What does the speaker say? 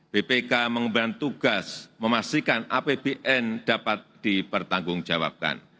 bpk mengembangkan tugas memastikan apbn dapat dipertanggung jawabkan